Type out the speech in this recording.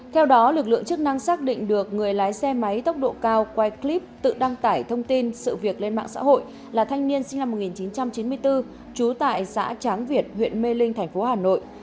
theo đó lực lượng chức năng xác định được người lái xe máy tốc độ cao quay clip tự đăng tải thông tin sự việc lên mạng xã hội là thanh niên sinh năm một nghìn chín trăm chín mươi bốn trú tại xã tráng việt huyện mê linh thành phố hà nội